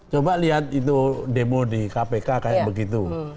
coba lihat itu demo di kpk kayak begitu